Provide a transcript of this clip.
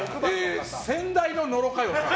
先代の野呂佳代さん。